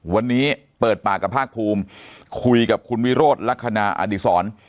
วันนี้เปิดปากกับภาคภูมิคุยกับคุณวิโรธลักษณะอดีศร